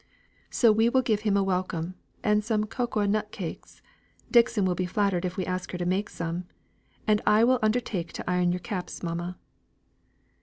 "So we will give him a welcome, and some cocoa nut cakes. Dixon will be flattered if we ask her to make some; and I will undertake to iron your caps, mamma."